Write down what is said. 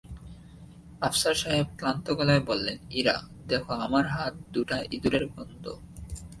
আফসার সাহেব ক্লান্ত গলায় বললেন, ইরা, দেখ আমার হাত দুটায় ইঁদুরের গন্ধ।